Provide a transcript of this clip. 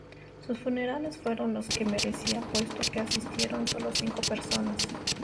Sus funerales no fueron los que merecía, puesto que asistieron solo cinco personas.